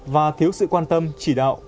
và thiếu sự quan tâm chỉ đạo